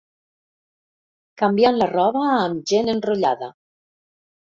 Canviant la roba amb gent enrotllada.